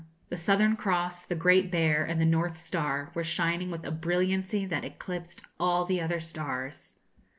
The Southern Cross, the Great Bear, and the North Star, were shining with a brilliancy that eclipsed all the other stars.